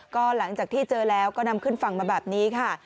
ก็หลังจากที่เจอแล้วก็นำขึ้นฝั่งมาแบบนี้ค่ะ